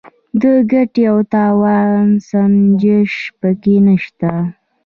د ګټې او تاوان سنجش پکې نشته.